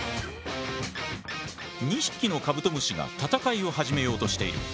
２匹のカブトムシが戦いを始めようとしている。